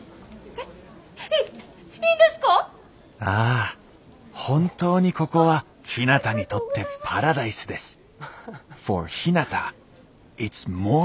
ああ本当にここはひなたにとってパラダイスです。